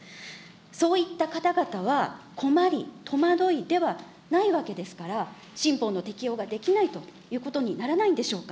そういった方々は、困り、戸惑いではないわけですから、新法の適用ができないということにならないんでしょうか。